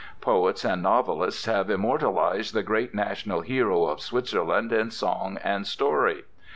Poets and novelists have immortalized the great national hero of Switzerland in song and story.